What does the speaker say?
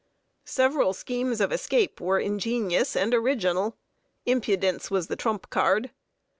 Several schemes of escape were ingenious and original. Impudence was the trump card.